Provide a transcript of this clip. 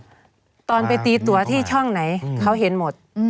ตอนไปตีตัวที่ช่องไหนเขาเห็นหมด